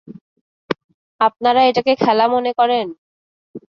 আপনারা এটাকে খেলা মনে করেন?